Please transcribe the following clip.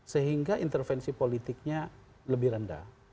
sehingga intervensi politiknya lebih rendah